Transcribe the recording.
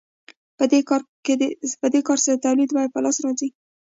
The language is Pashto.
په دې کار سره د تولید بیه په لاس راځي